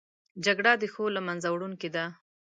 جګړه د ښو له منځه وړونکې ده